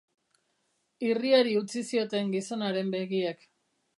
Irriari utzi zioten gizonaren begiek.